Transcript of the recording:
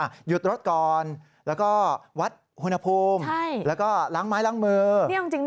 หยุดรถก่อนแล้วก็วัดอุณหภูมิแล้วก็ล้างไม้ล้างมือ